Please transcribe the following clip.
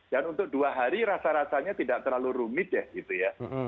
dan untuk dua hari rasa rasanya tidak terlalu rumit deh gitu ya